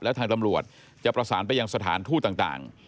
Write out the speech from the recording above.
แล้วทางตำรวจจะประสานไปยังสถานทูตต่าง